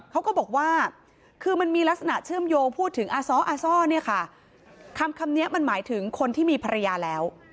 เขาก็บอกว่าคือมันมีลักษณะเชื่อมโยวพูดถึงอสอสคำคำนี้มันหมายถึงคนที่มีภรรยาแล้ว